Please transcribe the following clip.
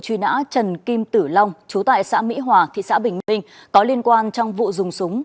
truy nã trần kim tử long chú tại xã mỹ hòa thị xã bình minh có liên quan trong vụ dùng súng